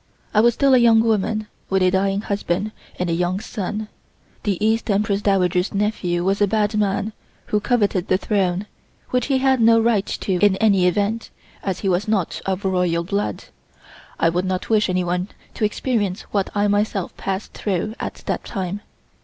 I was still a young woman, with a dying husband and a young son. The East Empress Dowager's nephew was a bad man, who coveted the throne, which he had no right to in any event, as he was not of royal blood. I would not wish anyone to experience what I myself passed through at that time.